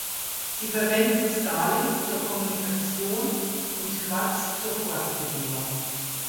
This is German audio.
Sie verwenden Starlink zur Kommunikation und Quads zur Fortbewegung.